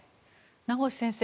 名越先生